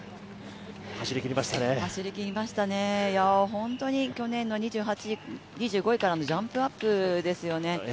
本当に去年２５位からのジャンプアップですよね。